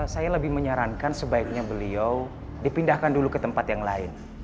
saya lebih menyarankan sebaiknya beliau dipindahkan dulu ke tempat yang lain